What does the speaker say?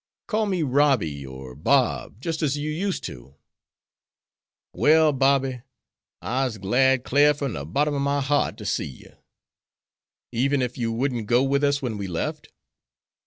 Call me Robby or Bob, just as you used to." "Well, Bobby, I'se glad klar from de bottom of my heart ter see yer." "Even if you wouldn't go with us when we left?"